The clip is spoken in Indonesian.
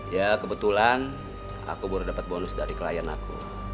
ya kebetulan aku baru dapat bonus dari klien aku